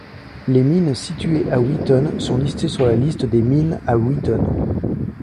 Les mines situées à Witten sont listées sur liste de mines à Witten.